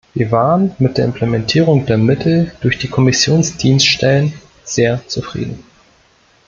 Wir waren mit der Implementierung der Mittel durch die Kommissionsdienststellen sehr zufrieden.